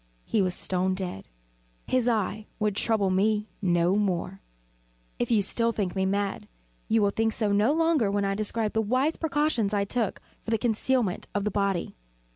He was stone dead. His eve would trouble me no more. If still you think me mad, you will think so no longer when I describe the wise precautions I took for the concealment of the body.